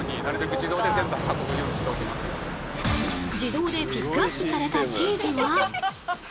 自動でピックアップされたチーズは。